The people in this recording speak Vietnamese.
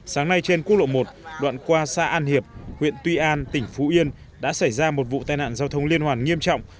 sáng nay trên quốc lộ một đoạn qua xa an hiệp huyện tuy an tỉnh phú yên đã xảy ra một vụ tai nạn giao thông liên hoàn nghiêm trọng